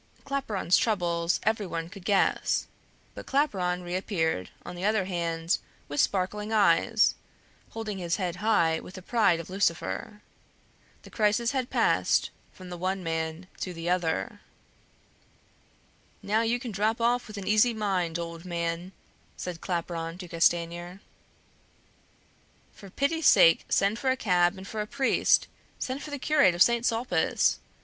Claparon's troubles everyone could guess; but Claparon reappeared, on the other hand, with sparkling eyes, holding his head high with the pride of Lucifer. The crisis had passed from the one man to the other. Referring to John Melmoth see note at head of this story. EDITOR. "Now you can drop off with an easy mind, old man," said Claparon to Castanier. "For pity's sake, send for a cab and for a priest; send for the curate of Saint Sulpice!"